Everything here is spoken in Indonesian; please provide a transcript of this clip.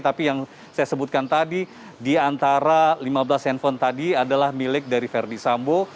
tapi yang saya sebutkan tadi di antara lima belas handphone tadi adalah milik dari verdi sambo